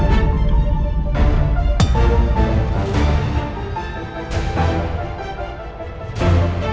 sampai jumpa di video selanjutnya